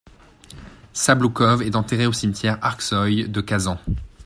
Sabloukov est enterré au cimetière Arskoïe de Kazan.